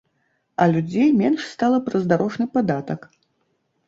А людзей менш стала праз дарожны падатак.